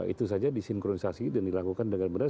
itu saja disinkronisasi dan dilakukan dengan benar